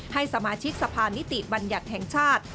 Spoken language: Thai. ให้สมาชิกสะพานนิติบัญญัติแห่งชาติ